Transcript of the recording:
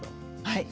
はい。